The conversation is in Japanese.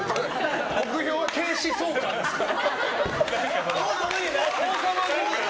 目標は警視総監ですから。